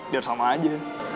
biar sama aja